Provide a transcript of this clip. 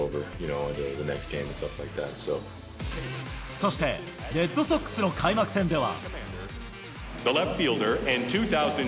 そして、レッドソックスの開幕戦では。